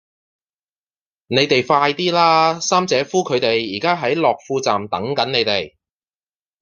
你哋快啲啦!三姐夫佢哋而家喺樂富站等緊你哋